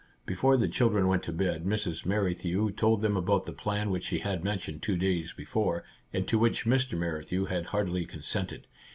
Before the children went to bed Mrs. Merri thew told them about the plan which she had mentioned two days before, and to which Mr. Merrithew had heartily consented.